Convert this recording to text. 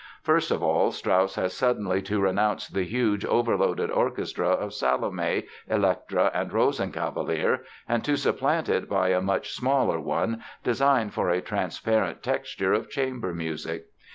First of all, Strauss was suddenly to renounce the huge, overloaded orchestra of Salome, Elektra and Rosenkavalier and to supplant it by a much smaller one designed for a transparent texture of chamber music.